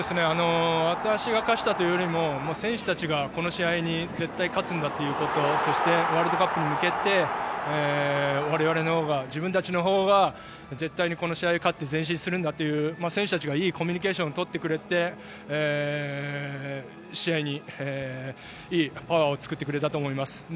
私が課したというよりも選手たちがこの試合に絶対に勝つんだということそして、ワールドカップに向けて我々のほうが自分たちのほうが絶対この試合に勝って前進するんだという、選手たちがいいコミュニケーションをとってくれて試合に、いいパワーを作ってくれたと思います。